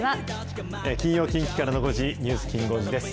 金曜、近畿からの５時、ニュースきん５時です。